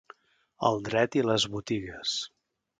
El dret i les botigues